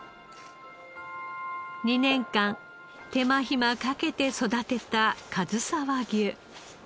２年間手間暇かけて育てたかずさ和牛。